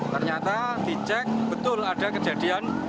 ternyata dicek betul ada kejadian